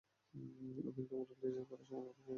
আমি একটা model design করার সময় ওর প্রোগ্রামটা লিখি।